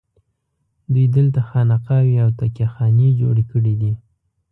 دوی دلته خانقاوې او تکیه خانې جوړې کړي دي.